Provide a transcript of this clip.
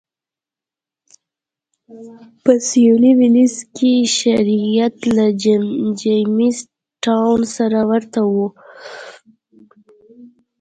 په سوېلي ویلز کې شرایط له جېمز ټاون سره ورته و.